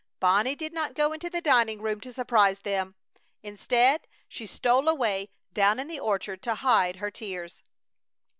Bonnie did not go into the dining room to surprise them. Instead, she stole away down in the orchard to hide her tears.